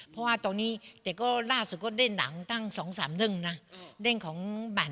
เพราะว่าตอนนี้เด็กก็ล่าสุดเล่นหลัง